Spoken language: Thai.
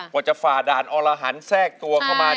กว่าจะฝ่าด่านอรหันแทรกตัวเข้ามา